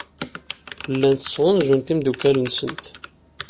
Llant ttɣanzunt imeddukal-nsent.